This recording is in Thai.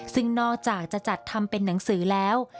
ซึ่งนอกจากจะจัดทำเป็นหนังสือแล้ว